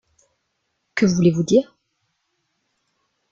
Que voulez-vous dire ?